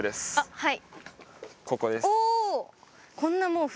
はい。